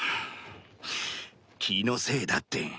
気のせいだって！